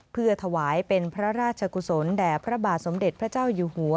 เพื่อถวายเป็นพระราชกุศลแด่พระบาทสมเด็จพระเจ้าอยู่หัว